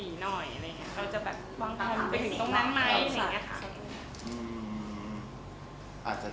อีกนานไหมครับ